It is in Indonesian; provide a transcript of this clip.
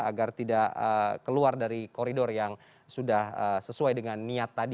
agar tidak keluar dari koridor yang sudah sesuai dengan niat tadi